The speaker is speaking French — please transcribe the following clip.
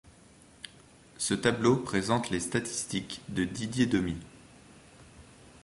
Ce tableau présente les statistiques de Didier Domi.